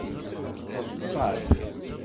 Neḍṣa-d.